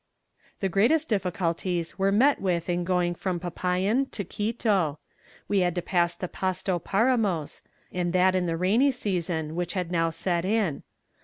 "The greatest difficulties were met with in going from Popayan to Quito. We had to pass the Pasto Paramos, and that in the rainy season, which had now set in.